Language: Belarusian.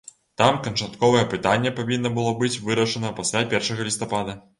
Там канчатковае пытанне павінна было быць вырашана пасля першага лістапада.